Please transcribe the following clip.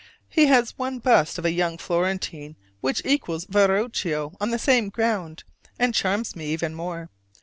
He has one bust of a young Florentine which equals Verocchio on the same ground, and charms me even more.